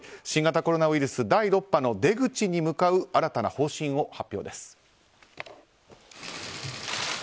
新型コロナウイルス第６波の出口に向かう新たな方針を発表です。